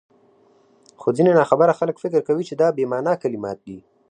خو ځيني ناخبره خلک فکر کوي چي دا بې مانا کلمات دي،